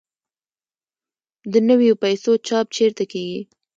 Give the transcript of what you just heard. د نویو پیسو چاپ چیرته کیږي؟